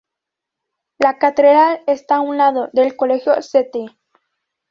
La catedral esta a un lado, del Colegio St.